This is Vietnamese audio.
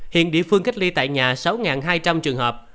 hiện địa phương cách ly tại nhà sáu hai trăm linh trường hợp